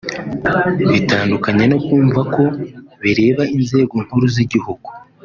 bitandukanye no kumva ko bireba inzego nkuru z’igihugu